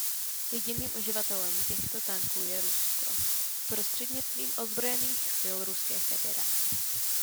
Jediným uživatelem těchto tanků je Rusko prostřednictvím Ozbrojených sil Ruské federace.